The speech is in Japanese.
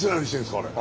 あれ。